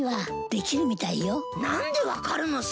なんで分かるのさ。